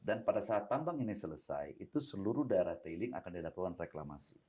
dan pada saat tambang ini selesai itu seluruh daerah tailing akan dilakukan reklamasi